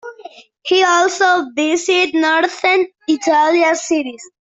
He also visited northern Italian cities.